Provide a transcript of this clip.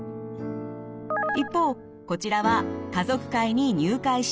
一方こちらは家族会に入会したあと。